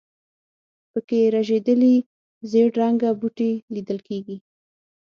په کې رژېدلي زېړ رنګه بوټي لیدل کېږي.